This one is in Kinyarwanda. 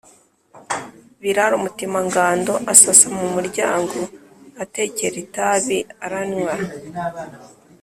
Biraro Mutemangando asasa mu muryango, atekera itabi aranywa